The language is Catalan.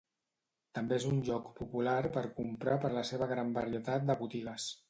També és un lloc popular per comprar per la seva gran varietat de botigues.